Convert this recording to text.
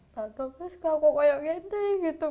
bantulah suka kukoyok kukoyok gede gitu